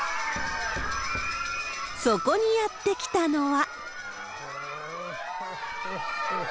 そこにやって来たのは。